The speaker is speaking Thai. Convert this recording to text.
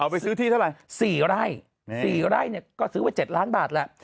ไปซื้อที่เท่าไหร่๔ไร่๔ไร่ก็ซื้อไว้๗ล้านบาทแหละ